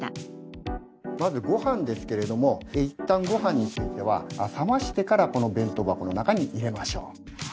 まずご飯ですけれどもいったんご飯については冷ましてからこの弁当箱の中に入れましょう。